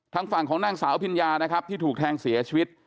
ทางฝั่งของนางสาวอภิญญานะครับที่ถูกแทงเสียชีวิต